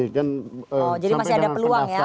oh jadi masih ada peluang ya